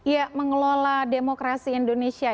ya mengelola demokrasi indonesia